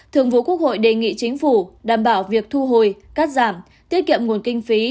thường vụ quốc hội đề nghị chính phủ đảm bảo việc thu hồi cắt giảm tiết kiệm nguồn kinh phí